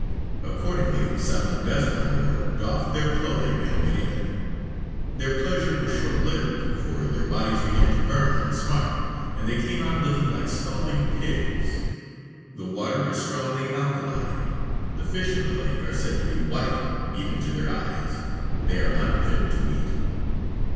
Accordingly, some dozen or more doffed their clothing and went in. Their pleasure was short lived, for their bodies began to burn and smart, and they came out looking like scalding pigs. The water is strongly alkaline; the fish in the lake are said to be white, even to their eyes; they are unfit to eat."